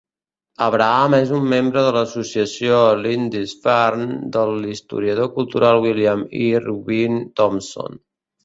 Abraham és un membre de l'Associació Lindisfarne del historiador cultural William Irwin Thompson.